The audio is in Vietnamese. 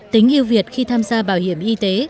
tính yêu việt khi tham gia bảo hiểm y tế